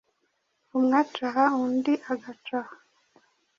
Umwe aca aha undi agaca aha,